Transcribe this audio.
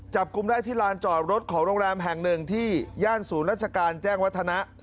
จับกลุ่มได้ที่ลานจอดรถของโรงแรมแห่งหนึ่งที่ย่านศูนย์ราชการแจ้งวัฒนะ